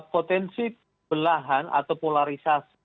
potensi belahan atau polarisasi